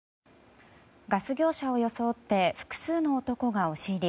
ガス業者を装って複数の男が押し入り